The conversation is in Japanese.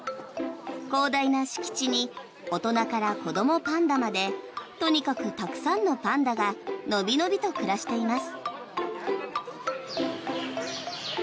広大な敷地に大人から子どもパンダまでとにかくたくさんのパンダが伸び伸びと暮らしています。